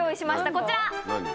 こちら。